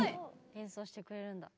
演奏してくれるんだ。